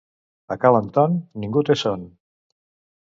A ca l'Anton ningú té son